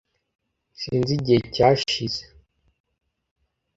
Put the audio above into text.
Sinzi igihe cyashize .